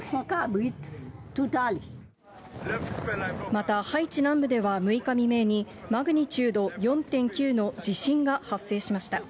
またハイチ南部では６日未明に、マグニチュード４．９の地震が発生しました。